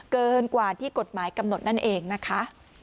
เกินกว่าที่กฎหมายกำหนดนั่นเองนะคะ